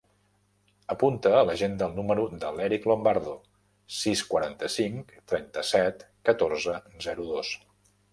Apunta a l'agenda el número de l'Eric Lombardo: sis, quaranta-cinc, trenta-set, catorze, zero, dos.